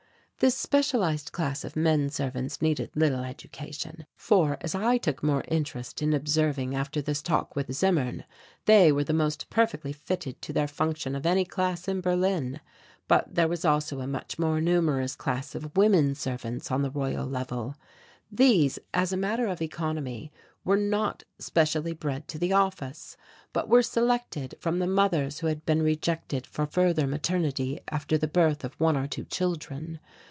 This specialized class of men servants needed little education, for, as I took more interest in observing after this talk with Zimmern, they were the most perfectly fitted to their function of any class in Berlin. But there was also a much more numerous class of women servants on the Royal Level. These, as a matter of economy, were not specially bred to the office, but were selected from the mothers who had been rejected for further maternity after the birth of one or two children.